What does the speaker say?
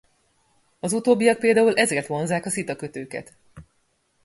Az utóbbiak például ezért vonzzák a szitakötőket.